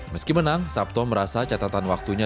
meski menang sabto merasa catatan waktunya